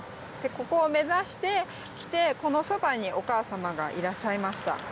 ここを目指してきてこのそばにお母さまがいらっしゃいました。